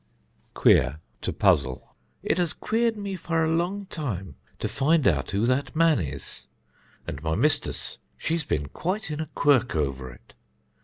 Queer (To puzzle): "It has queered me for a long time to find out who that man is; and my mistus she's been quite in a quirk over it.